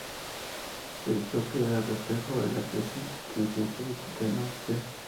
El choque era reflejo de la creciente tensión política en Austria.